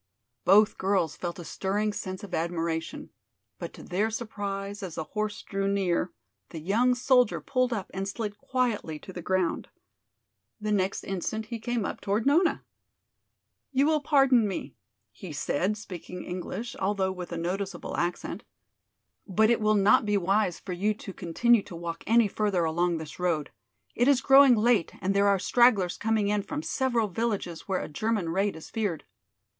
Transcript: Both girls felt a stirring sense of admiration. But to their surprise, as the horse drew near the young soldier pulled up and slid quietly to the ground. The next instant he came up toward Nona. "You will pardon me," he said, speaking English, although with a noticeable accent, "but it will not be wise for you to continue to walk any further along this road. It is growing late and there are stragglers coming in from several villages where a German raid is feared."